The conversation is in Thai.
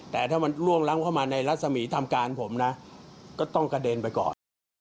แต่ถ้ามันล่วงล้ำเข้ามาในรัศมีร์ทำการผมนะก็ต้องกระเด็นไปก่อน